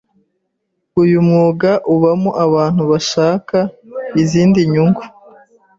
uyu mwuga ubamo abantu bashaka izindi nyungu